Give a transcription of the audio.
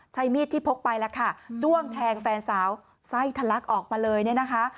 ใช้มีดที่พกไปแล้วค่ะจ้วงแทงแฟนสาวไส้ทะลักออกมาเลยเนี่ยนะคะ